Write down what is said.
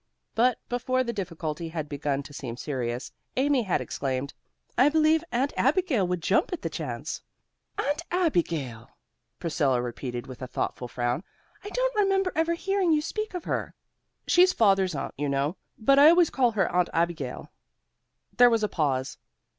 But before the difficulty had begun to seem serious, Amy had exclaimed: "I believe Aunt Abigail would jump at the chance." "Aunt Abigail!" Priscilla repeated, with a thoughtful frown. "I don't remember ever hearing you speak of her." "She's father's aunt, you know, but I always call her Aunt Abigail." There was a pause.